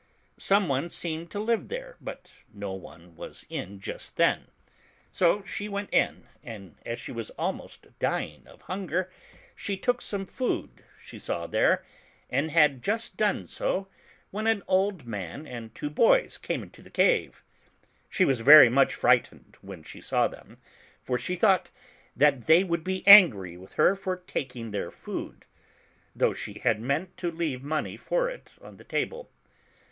Some on6 seemed to live there, but no one was in just then. So she went in, and as she was almost dying of hunger, she took some food she saw there, and had just done so, when an old man and two boys came into the cave. She was very much fright ened when she saw them, for she thought that they would be angry with her for taking their food, though she had meant to leave money for it on the table.